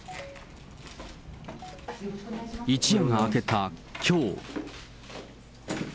一夜が明けたきょう。